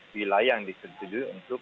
wilayah yang disetujui untuk